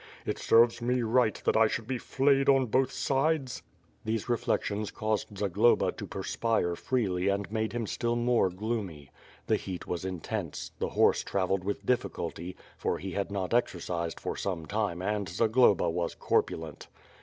It serves me right that I should be fliayed on both sides." These reflections caused Zagloba to perspire freely and made him still more gloomy. The heat was intense; the horse travelled with difficulty, for he had not exercised for some time and Zagloba was corpulent.